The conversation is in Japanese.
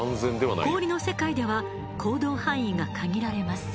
氷の世界では行動範囲が限られます。